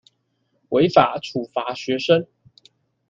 違法處罰學生